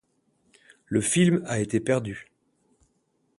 Le film a été perdu.